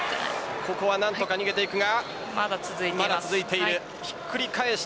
ここは何とか逃げていくがまだ続いています。